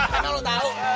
kan lu tau